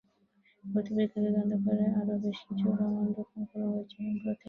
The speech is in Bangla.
ভর্তি পরীক্ষাকে কেন্দ্র আরও বেশ কিছু ভ্রাম্যমাণ দোকান খোলা হয়েছে সম্প্রতি।